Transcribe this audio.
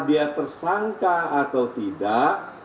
dia tersangka atau tidak